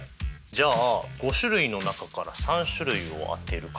じゃあ５種類の中から３種類を当てる確率か。